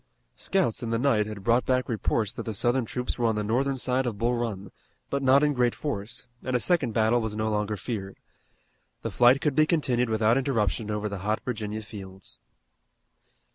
Scouts in the night had brought back reports that the Southern troops were on the northern side of Bull Run, but not in great force, and a second battle was no longer feared. The flight could be continued without interruption over the hot Virginia fields.